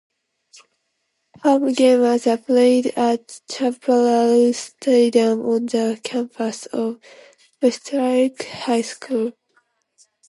Home games are played at Chaparral Stadium on the campus of Westlake High School.